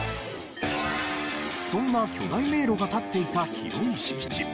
そんな巨大迷路が立っていた広い敷地。